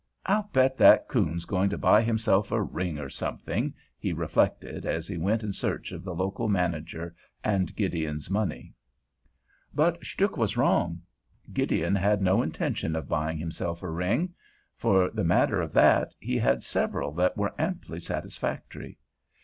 "I'll bet that coon's going to buy himself a ring or something," he reflected as he went in search of the local manager and Gideon's money. But Stuhk was wrong. Gideon had no intention of buying himself a ring. For the matter of that, he had several that were amply satisfactory.